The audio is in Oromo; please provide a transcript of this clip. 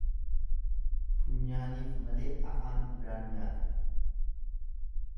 Funyaanif malee afaan udaan nyaata.